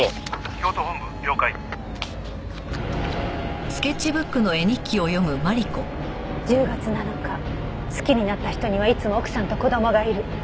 「京都本部了解」「１０月７日好きになった人にはいつも奥さんと子供がいる」